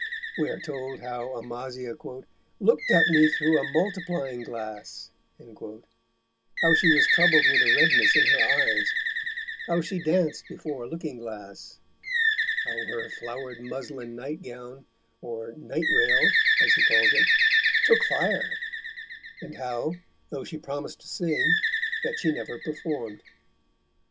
We are told how Amasia "looked at me through a Multiplying Glass," how she was troubled with a redness in her eyes, how she danced before a looking glass, how her flowered muslin nightgown (or "night rail," as he calls it) took fire, and how, though she promised to sing, yet she never performed.